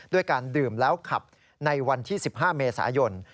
การดื่มแล้วขับในวันที่๑๕เมษายน